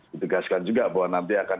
ditegaskan juga bahwa nanti akan